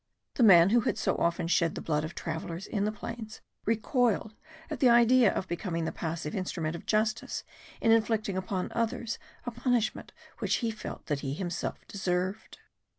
The man who had so often shed the blood of travellers in the plains recoiled at the idea of becoming the passive instrument of justice in inflicting upon others a punishment which he felt that he himself deserved.